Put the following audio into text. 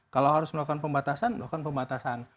kalau harus melakukan pembatasan melakukan pembatasan